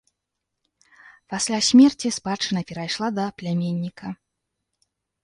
Пасля смерці спадчына перайшла да пляменніка.